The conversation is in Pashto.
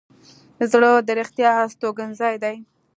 زړه د رښتیا استوګنځی دی.